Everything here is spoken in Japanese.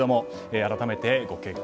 改めて、ご結婚